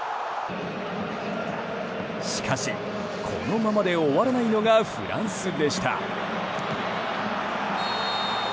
しかしこのままで終わらないのがフランスでした。